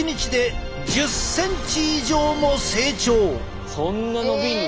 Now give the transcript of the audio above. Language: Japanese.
なんとそんな伸びんの！？